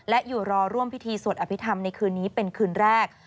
และอยู่รอร่วมพิธีสวดอภิษฐรรมในคืนนี้เป็นคืนแรก